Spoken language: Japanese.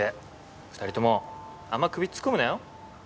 ２人ともあんま首突っ込むなよ。